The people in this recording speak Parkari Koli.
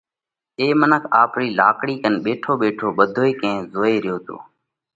اي منک آپري لاڪڙِي ڪنَ ٻيٺو ٻيٺو ٻڌوئي ڪئين زوئي ريو تو